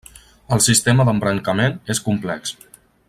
El sistema d'embrancament és complex.